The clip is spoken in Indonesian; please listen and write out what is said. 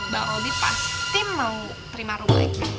bang robby pasti mau terima rum lagi